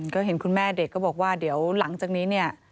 ก็เห็นคุณแม่เด็กก็บอกว่าเดี๋ยวหลังจากนี้เนี่ย